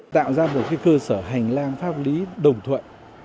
tạo ra một cơ sở hành lang pháp lý đồng thuận